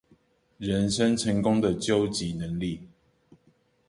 人生成功的究極能力